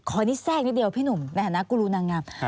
ขออันนี้แซกนิดเดียวพี่หนุ่มในฐานะกุรุนางงาม